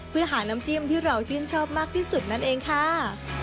เพื่อหาน้ำจิ้มที่เราชื่นชอบมากที่สุดนั่นเองค่ะ